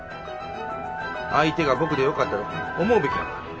相手が僕でよかったと思うべきだ。